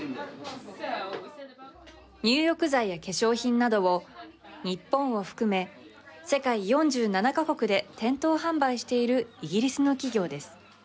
入浴剤や化粧品などを日本を含め世界４７か国で店頭販売しているイギリスの企業です。